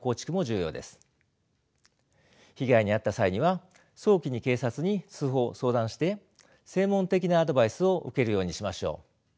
被害に遭った際には早期に警察に通報相談して専門的なアドバイスを受けるようにしましょう。